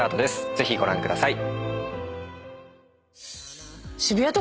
ぜひご覧ください。